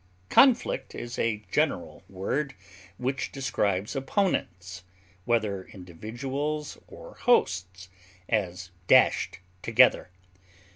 Conflict is a general word which describes opponents, whether individuals or hosts, as dashed together.